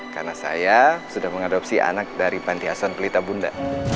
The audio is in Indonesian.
karena saya sudah mengadopsi anak dari pantiasuhan pelita bunda